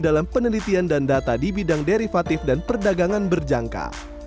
dalam penelitian dan data di bidang derivatif dan perdagangan berjangka